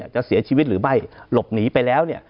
จะเสียชีวิตหรือไม่หลบหนีไปแล้ว